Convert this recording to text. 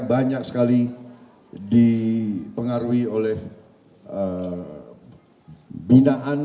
banyak sekali dipengaruhi oleh binaan